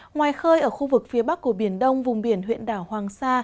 ngoài khơi ở khu vực phía bắc của biển đông vùng biển huyện đảo hoàng sa